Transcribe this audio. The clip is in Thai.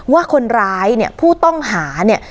ว่าคนร้ายเนี่ยผู้ต้องหาเนี่ย